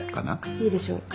いいでしょう。